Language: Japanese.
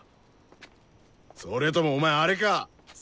それともお前あれかっ！